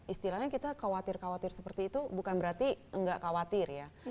istilahnya kita khawatir khawatir seperti itu bukan berarti nggak khawatir ya